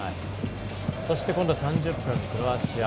そして、３０分クロアチア。